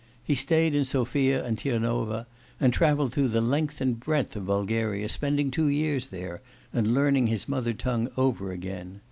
He stayed in Sophia and Tirnova, and travelled through the length and breadth of Bulgaria, spending two years there, and learning his mother tongue over again.